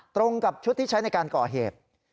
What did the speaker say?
ตรงกับชุดที่ใช้ในการก่อเหตุ